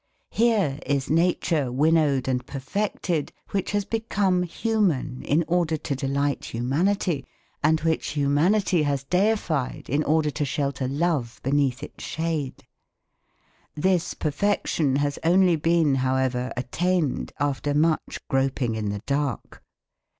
Here is nature winnowed and perfected, which has become human in order to delight humanity, and which humanity has deified in order to shelter love beneath its shade. This perfection has only been, however, attained after much groping in the dark.